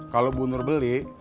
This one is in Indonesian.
kalau bu nur beli